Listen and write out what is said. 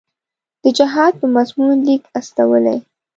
د جهاد په مضمون لیک استولی.